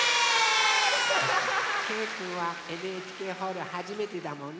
けいくんはＮＨＫホールはじめてだもんね。